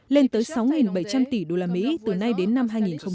lên tới sáu bảy trăm linh tỷ đô la mỹ từ nay đến năm hai nghìn năm mươi